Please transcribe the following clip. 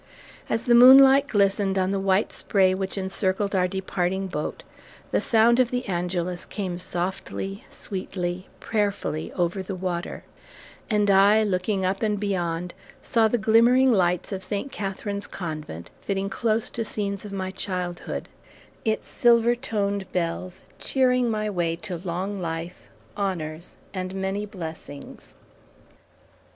As the moonlight glistened on the white spray which encircled our departing boat, the sound of the Angelus came softly, sweetly, prayerfully over the water; and I looking up and beyond, saw the glimmering lights of Saint Catherine's Convent, fitting close to scenes of my childhood, its silver toned bells cheering my way to long life, honors, and many blessings!